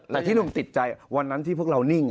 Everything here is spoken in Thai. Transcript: แต่ที่ลุงติดใจวันนั้นที่พวกเรานิ่ง